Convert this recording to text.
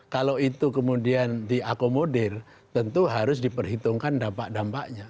kalau itu kemudian diakomodir tentu harus diperhitungkan dampak dampaknya